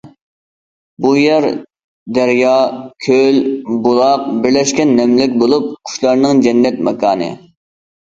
بۇ يەر دەريا، كۆل، بۇلاق بىرلەشكەن نەملىك بولۇپ، قۇشلارنىڭ جەننەت ماكانى.